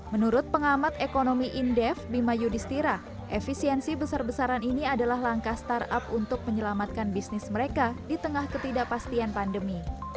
menurut pengamat ekonomi indef bima yudhistira efisiensi besar besaran ini adalah langkah startup untuk menyelamatkan bisnis mereka di tengah ketidakpastian pandemi